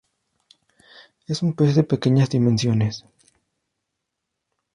Es un pez de pequeñas dimensiones.